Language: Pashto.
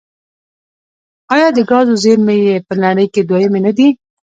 آیا د ګازو زیرمې یې په نړۍ کې دویمې نه دي؟